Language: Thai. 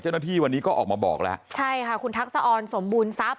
เจ้าหน้าที่วันนี้ก็ออกมาบอกแล้วใช่ค่ะคุณทักษะออนสมบูรณทรัพย